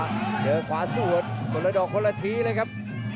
เจอขวาสวนคนละดอกคนละทีเลยครับ